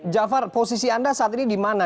jafar posisi anda saat ini di mana